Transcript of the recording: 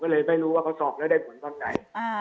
ก็เลยไม่รู้ว่าเขาสอบแล้วได้ผลตอนไหน